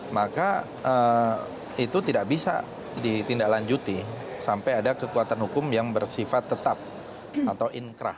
maka itu tidak bisa ditindaklanjuti sampai ada kekuatan hukum yang bersifat tetap atau inkrah